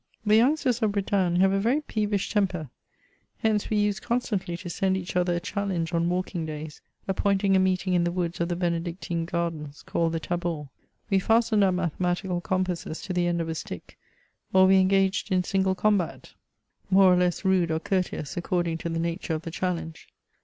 The youngsters of Bretagne Jiave a very peevish temper. Hence we used constantly to send each other a challenge on walking days, appointing a meeting in the woods of the Benedictine gardens, called the Tabor ; we fastened our mathematical compasses to the end of a stick, or we engaged in single combat — ^more or less CHATEAUBRIAND. 109 rade or courteous, according to the nature of the challenge.